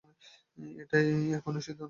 এখনই সিদ্ধান্ত নে!